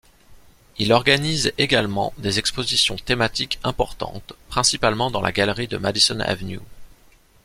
Il organise également des expositions thématiques importantes, principalement dans sa galerie de Madison Avenue.